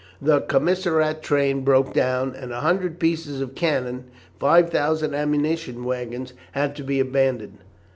The commissariat train broke down, and a hundred pieces of cannon and 5000 ammunition waggons had to be abandoned.